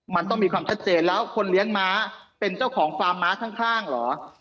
มันต้องมีความชัดเจนแล้วคนเลี้ยงม้าเป็นเจ้าของฟาร์มม้าข้างเหรอ